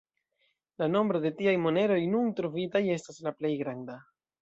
La nombro de tiaj moneroj nun trovitaj estas la plej granda.